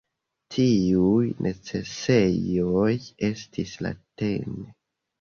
Tiuj necesejoj estis la tn.